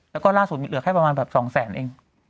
แล้วก็ล่าสุดเหลือแค่ประมาณแบบ๒แสนเอง